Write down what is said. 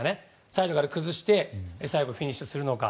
サイドから崩して最後フィニッシュするのか。